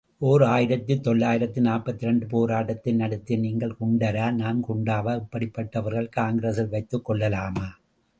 ஓர் ஆயிரத்து தொள்ளாயிரத்து நாற்பத்திரண்டு போராட்டத்தை நடத்திய நீங்கள் குண்டரா நான் குண்டாவா, இப்படிப்பட்டவர்களைக் காங்கிரசில் வைத்துக் கொள்ளலாமா?